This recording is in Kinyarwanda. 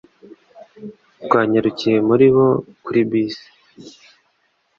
Twanyarukiye muri bo kuri bisi.